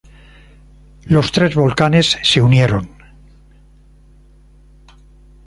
Los tres volcanes se unieron.